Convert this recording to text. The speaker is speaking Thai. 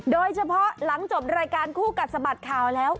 โดยเฉพาะหลังจบรายการคู่กัดสะบัดข่าวแล้ว